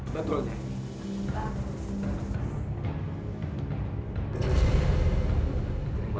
dan kita nggak boleh bergabah